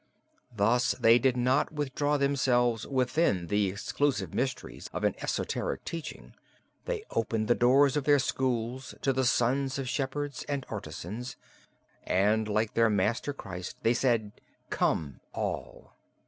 Thus they did not withdraw themselves within the exclusive mysteries of an esoteric teaching; they opened the doors of their schools to the sons of shepherds and artisans, and, like their Master, Christ, they said: "Come all!"